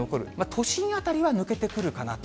都心辺りは抜けてくるかなと。